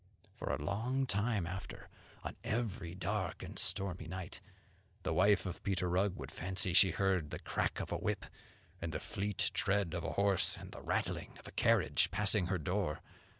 For a long time after, on every dark and stormy night, the wife of Peter Rugg would fancy she heard the crack of a whip, and the fleet tread of a horse, and the rattling of a carriage, passing her door.